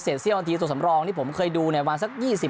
เสร็จเสี้ยวนาทีส่วนสำรองที่ผมเคยดูเนี่ยวางสักยี่สิบ